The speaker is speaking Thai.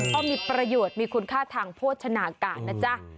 ก็มีประโยชน์มีคุณค่าทางโภชนาการนะจ๊ะ